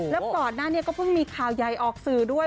แล้วก่อนหน้านี้ก็เพิ่งมีข่าวใหญ่ออกสื่อด้วย